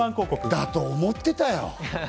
だと思ってたよ。